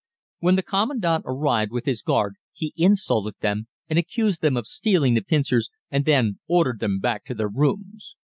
When the Commandant arrived with his guard he insulted them and accused them of stealing the pincers and then ordered them back to their rooms.